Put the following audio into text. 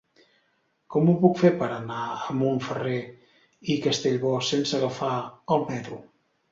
Com ho puc fer per anar a Montferrer i Castellbò sense agafar el metro?